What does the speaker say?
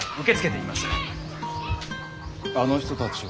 あの人たちは。